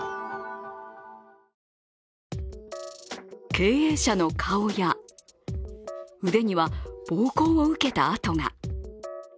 経営者の顔や、腕には暴行を受けた痕が。